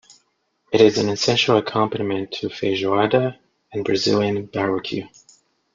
It is an essential accompaniment to "feijoada" and Brazilian barbecue.